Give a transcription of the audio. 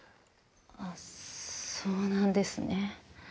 あっそうなんですね。